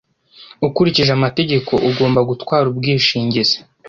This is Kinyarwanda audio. ukurikije amategeko ugomba gutwara ubwishingizi